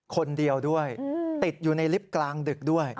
คนเดียวด้วยติดอยู่ในลิฟต์กลางดึกด้วย